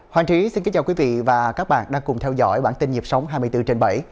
hoàng trí xin kính chào quý vị và các bạn đang cùng theo dõi bản tin nhịp sống hai mươi bốn trên bảy